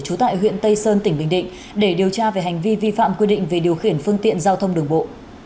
trú tại huyện tây sơn tỉnh bình định để điều tra về hành vi vi phạm quy định về điều khiển phương tiện giao thông đường bộ